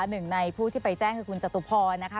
หนึ่งในผู้ที่ไปแจ้งคือคุณจตุพรนะคะ